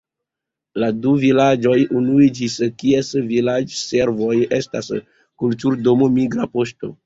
La du vilaĝoj unuiĝis, kies vilaĝservoj estas kulturdomo, migra poŝto.